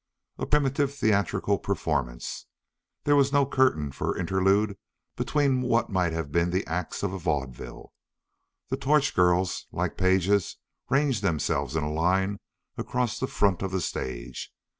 A primitive theatrical performance. There was no curtain for interlude between what might have been the acts of a vaudeville. The torch girls, like pages, ranged themselves in a line across the front of the stage.